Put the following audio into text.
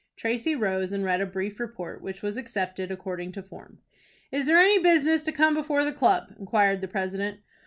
Tracy rose, and read a brief report, which was accepted, according to form. "Is there any business to come before the club?" inquired the president.